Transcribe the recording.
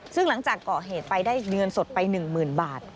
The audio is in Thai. ซึ่งหลังจากก่อเหตุไปได้เงินสดไป๑๐๐๐บาท